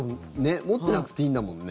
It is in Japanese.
持ってなくていいんだもんね。